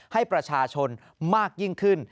ให้ประชาชนมากยิ่งขึ้น